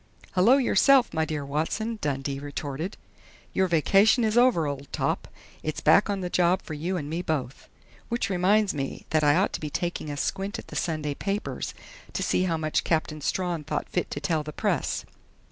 "Hullo, yourself, my dear Watson!" Dundee retorted. "Your vacation is over, old top! It's back on the job for you and me both!... Which reminds me that I ought to be taking a squint at the Sunday papers, to see how much Captain Strawn thought fit to tell the press."